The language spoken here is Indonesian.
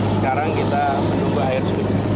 sekarang kita menunggu air sudah